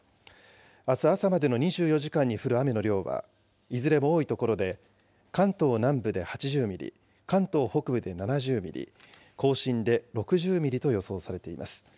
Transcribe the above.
あす朝までの２４時間に降る雨の量はいずれも多い所で、関東南部で８０ミリ、関東北部で７０ミリ、甲信で６０ミリと予想されています。